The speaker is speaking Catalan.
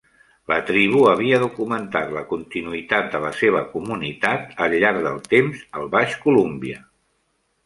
La tribu havia documentat la continuïtat de la seva comunitat al llarg del temps al baix Columbia.